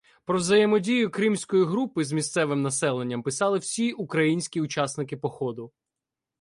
Про взаємодію Кримської групи з місцевим населенням писали всі українські учасники походу.